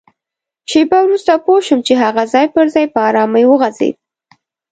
شېبه وروسته پوه شوم چي هغه ځای پر ځای په ارامۍ وغځېد.